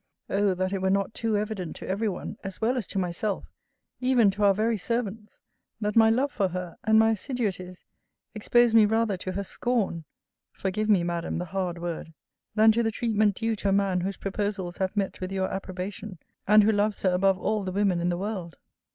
O that it were not too evident to every one, as well as to myself, even to our very servants, that my love for her, and my assiduities, expose me rather to her scorn [forgive me, Madam, the hard word!] than to the treatment due to a man whose proposals have met with your approbation, and who loves her above all the women in the world!